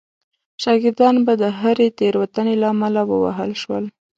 شاګردان به د هرې تېروتنې له امله ووهل شول.